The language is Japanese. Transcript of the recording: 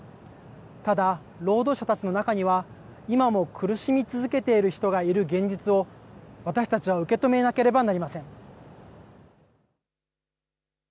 ただ、労働者たちの中には、今も苦しみ続けている人がいる現実を、私たちは受け止めなければなりません。